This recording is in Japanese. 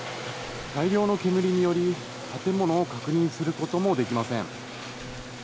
大量の煙により、建物を確認することもできません。